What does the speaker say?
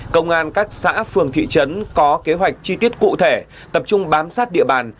công an các xã phường thị trấn có kế hoạch chi tiết cụ thể tập trung bám sát địa bàn